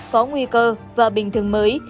có nguy cơ và bình thường mới